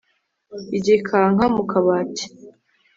igikanka mu kabati.